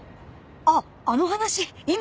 あっあの話今？